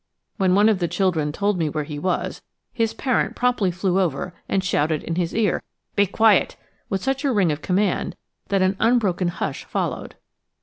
When one of the children told me where he was, his parent promptly flew over and shouted in his ear, "Be quiet!" with such a ring of command that an unbroken hush followed.